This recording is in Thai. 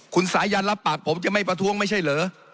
คุณยัลภาพผมคือไม่ประท้วงไม่ใช่เหรอ